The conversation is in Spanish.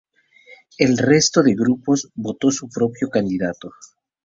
El resto de grupos, votó a su propio candidato.